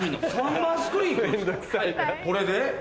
これで？